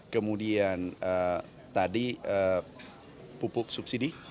kemudian tadi pupuk subsidi